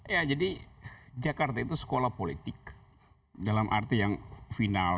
ya jadi jakarta itu sekolah politik dalam arti yang final